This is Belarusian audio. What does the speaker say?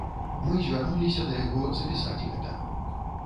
Мы звярнуліся да яго запісаць гэта.